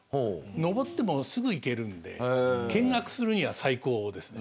登ってもすぐ行けるんで見学するには最高ですね。